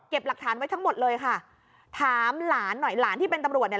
หลักฐานไว้ทั้งหมดเลยค่ะถามหลานหน่อยหลานที่เป็นตำรวจเนี่ย